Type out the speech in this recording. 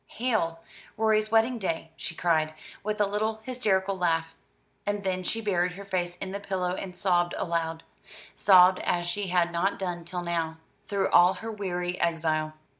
"Hail, Rorie's wedding day!" she cried, with a little hysterical laugh; and then she buried her face in the pillow and sobbed aloud sobbed as she had not done till now, through all her weary exile.